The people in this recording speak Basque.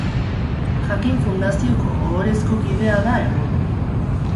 Jakin Fundazioko ohorezko kidea da egun.